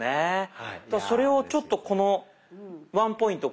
それをちょっとこのワンポイント